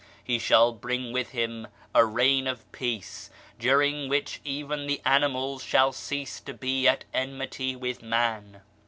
He shall bring with Him a reign of Peace, during which even the animals shall cease to be at enmity with man.